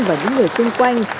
và những người xung quanh